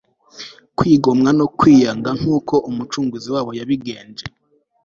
kwigomwa no kwiyanga nkuko Umucunguzi wabo yabigenje